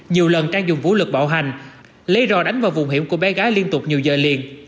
nhiều lần trang dùng vũ lực bạo hành lấy rò đánh vào vùng hiểm của bé gái liên tục nhiều giờ liền